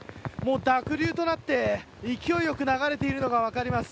濁流となって、勢いよく流れているのが分かります。